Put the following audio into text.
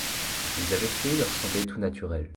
Ce qu’ils avaient fait leur semblait tout naturel.